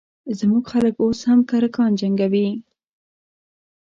زموږ خلک اوس هم کرکان جنګوي